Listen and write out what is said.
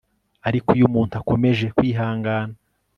Ariko iyo umuntu akomeje kwihangana